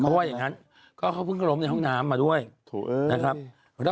เขาบอกอย่างงั้นก็เข้าพึ่งกระลมในห้องน้ำมาด้วยนะครับ